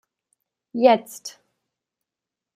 Jetzt!